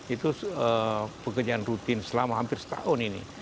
itu pekerjaan rutin selama hampir setahun ini